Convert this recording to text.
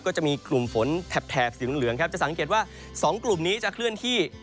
ก็จะมีกลุ่มฝนแถบสีเหลืองครับจะสังเกตว่า๒กลุ่มนี้จะเคลื่อนที่